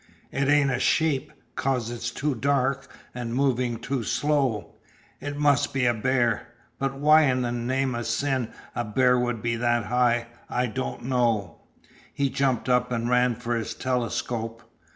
It ain't a sheep, 'cause it's too dark, an' movin' too slow. It must be a bear, but why in the name o' sin a bear would be that high, I don't know!" He jumped up and ran for his telescope.